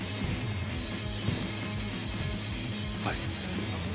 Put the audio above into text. はい。